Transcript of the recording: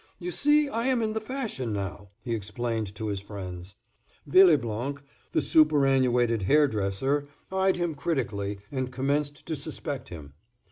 "You see I am in the fashion now," he explained to his friends. Villeblanc, the superannuated hairdresser, eyed him critically and commenced to suspect him.